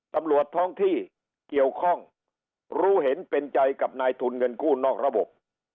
ตำรวจท้องที่เกี่ยวข้องรู้เห็นเป็นใจกับนายทุนเงินกู้นอกระบบ